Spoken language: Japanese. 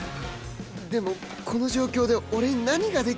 でもこの状況で俺に何ができるっていうんだ